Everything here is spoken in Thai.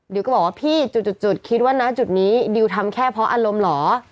ก็บอกว่าพี่จุดคิดว่านะจุดนี้ดิวทำแค่เพราะอารมณ์เหรอ